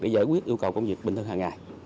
để giải quyết yêu cầu công việc bình thường hàng ngày